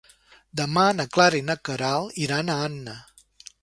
Demà na Clara i na Queralt iran a Anna.